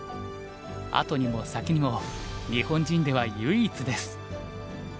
後にも先にも日本人では唯一です。